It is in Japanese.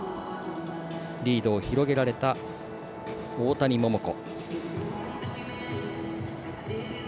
リードを広げられた大谷桃子。